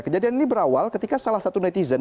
kejadian ini berawal ketika salah satu netizen